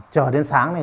chờ đến sáng này